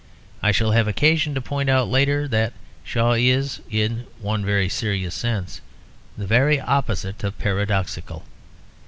I shall have occasion to point out later that Shaw is, in one very serious sense, the very opposite of paradoxical.